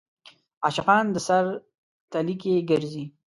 عاشقان د سر تلي کې ګرځي.